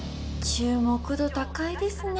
注目度高いですね